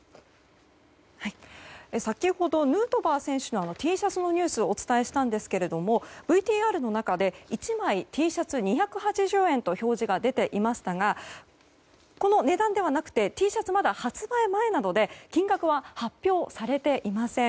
先ほどヌートバー選手のＴシャツのニュースをお伝えしたんですがＶＴＲの中で１枚、Ｔシャツ２８０円と表示が出ていましたがこの値段ではなくてＴシャツはまだ発売前なので金額は発表されていません。